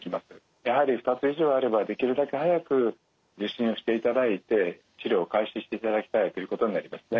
やはり２つ以上ある場合はできるだけ早く受診をしていただいて治療を開始していただきたいということになりますね。